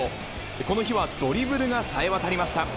この日はドリブルがさえわたりました。